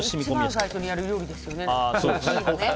一番最初にやる料理ですよね。